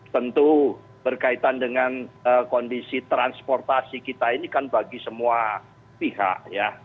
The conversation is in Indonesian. tentu berkaitan dengan kondisi transportasi kita ini kan bagi semua pihak ya